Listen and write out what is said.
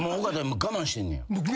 今我慢してんねや。